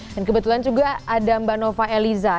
dan kebetulan juga ada mbak nova eliza